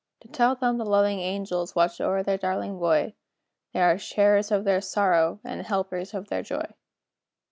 Tell them the loving angels Watch o'er their darling boy They are sharers of their sorrow, And helpers of their joy."